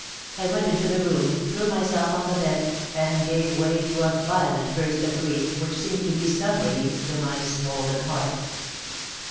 I went into the room, threw myself on the bed, and gave way to a violent burst of grief, which seemed to be some relief to my swollen heart."